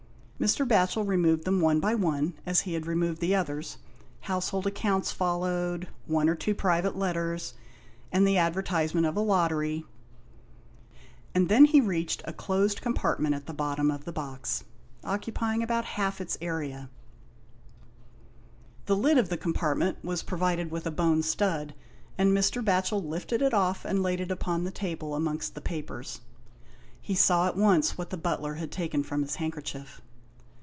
Mr. Batchel removed them one by one, as he had removed the others ; household accounts followed, one or two private letters, and the advertisement of a lottery, and then he reached a closed compartment at the bottom of the box, occupying about half its area, The lid 141 anOST TALES. of the compartment was provided with a bone stud, and Mr. Batchel lifted it off and laid it upon the table amongst the papers. He saw at once what the butler had taken from his handkerchief.